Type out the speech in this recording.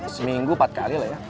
seminggu empat kali lah ya